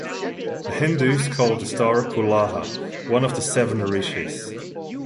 The Hindus called the star "Pulaha", one of the Seven Rishis.